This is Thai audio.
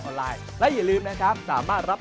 สวัสดีครับ